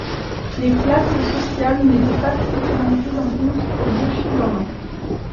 Les classes sociales n'étaient pas strictement prises en compte au Yoshiwara.